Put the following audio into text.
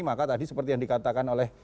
maka tadi seperti yang dikatakan oleh